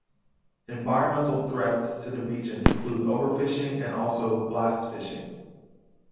Environmental threats to the region include overfishing and also blast fishing.